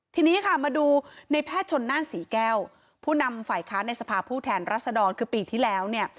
ทีนี้ค่ะมาดูในแพทย์ชนนั่นศรีแก้วผู้นำฝ่ายค้านในสภาพผู้แทนรัศดรคือปีที่แล้วเนี่ย